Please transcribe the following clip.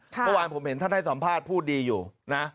เมื่อวานผมเห็นท่านให้สัมภาษณ์พูดดีอยู่นะ